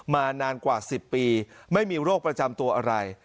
นานกว่า๑๐ปีไม่มีโรคประจำตัวอะไร